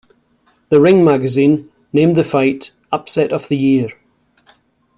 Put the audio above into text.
"The Ring" magazine named the fight Upset of the Year.